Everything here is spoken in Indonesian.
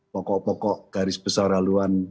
pokok pokok garis besar haluan